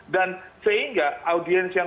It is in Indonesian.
dan sehingga audiens yang